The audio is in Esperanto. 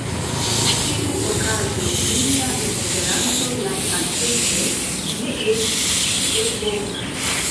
Ĉiuokaze mia Esperanto lastatempe ne estis tiel bona